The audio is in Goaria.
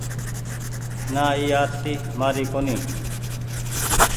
نآ اي آرسي مآري ڪونيٚ ۔